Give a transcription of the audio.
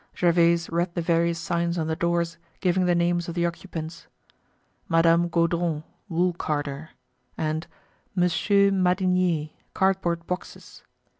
Gervaise read the various signs on the doors giving the names of the occupants: "Madame Gaudron, wool carder" and "Monsieur Madinier, cardboard boxes."